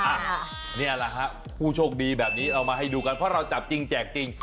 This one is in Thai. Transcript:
อ่ะนี่แหละฮะผู้โชคดีแบบนี้เอามาให้ดูกันเพราะเราจับจริงแจกจริง